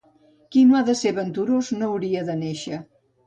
Qui no ha de ser venturós, no hauria de néixer.